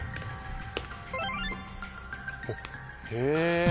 おっへぇ！